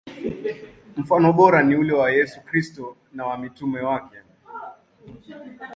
Mfano bora ni ule wa Yesu Kristo na wa mitume wake.